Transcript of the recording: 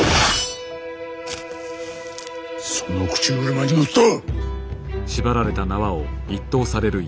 その口車に乗った！